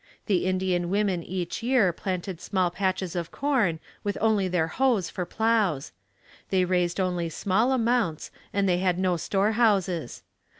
The Indian women each year planted small patches of corn with only their hoes for plows. They raised only small amounts and they had no store houses.